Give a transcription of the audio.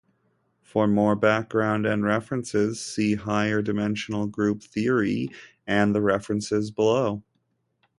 For more background and references, see "Higher dimensional group theory" and the references below.